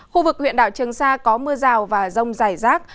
khu vực huyện đảo trường sa có mưa rào và rông dài rác